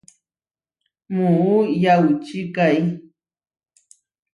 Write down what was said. Muú yaučikái.